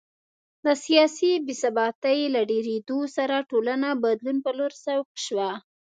د سیاسي بې ثباتۍ له ډېرېدو سره ټولنه بدلون په لور سوق شوه